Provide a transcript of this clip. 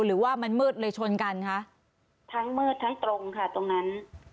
หรือว่ามันมืดเลยชนกันคะทั้งมืดทั้งตรงค่ะตรงนั้น